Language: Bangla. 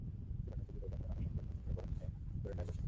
পুরোনোকে বিদায় জানিয়ে মানুষ একেবারে নতুন করে বরণ করে নেয় বছরটিকে।